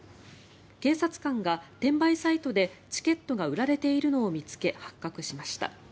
警察官が転売サイトでチケットが売られているのを見つけ発覚しました。